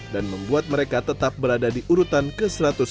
dan membuat mereka tetap berada di urutan ke satu ratus empat puluh sembilan